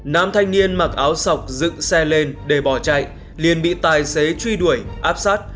nam thanh niên mặc áo sọc dựng xe lên để bỏ chạy liền bị tài xế truy đuổi áp sát